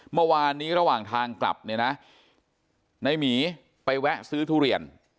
เมื่อวานนี้ระหว่างทางกลับเนี่ยนะในหมีไปแวะซื้อทุเรียน